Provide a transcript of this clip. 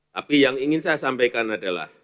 tapi yang ingin saya sampaikan adalah